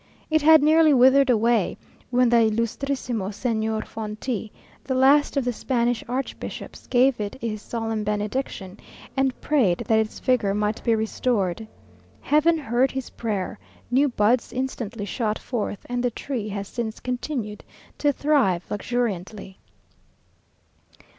It had nearly withered away, when the Ylustrisimo Señor Fonti, the last of the Spanish archbishops, gave it his solemn benediction, and prayed that its vigour might be restored. Heaven heard his prayer; new buds instantly shot forth, and the tree has since continued to thrive luxuriantly.